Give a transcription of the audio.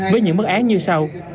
với những mức án như sau